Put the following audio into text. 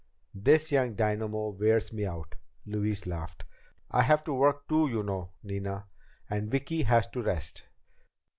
"This young dynamo wears me out." Louise laughed. "I have to work, too, you know, Nina, and Vicki has to rest.